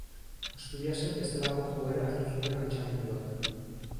Asturiasen bestelako joera hartu zuen altxamenduak.